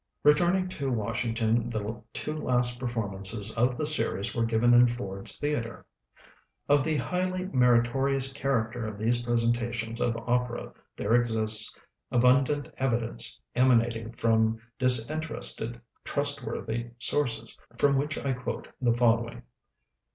Returning to Washington, the two last performances of the series were given in Ford's Theatre. Of the highly meritorious character of these presentations of opera there exists abundant evidence, emanating from disinterested, trustworthy sources, from which I quote the following.